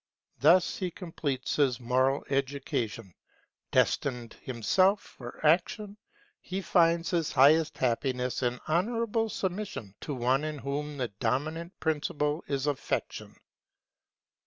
Thus he completes his moral education. Destined himself for action, he finds his highest happiness in honourable submission to one in whom the dominant principle is affection.